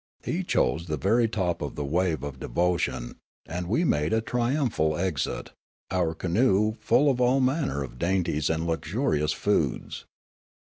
He chose the very top of the wave of devotion, and we made a triumphal exit, our canoe full of all manner of dainties and luxurious foods.